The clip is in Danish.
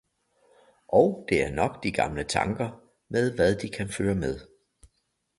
og det er nok de gamle tanker med hvad de kan føre med!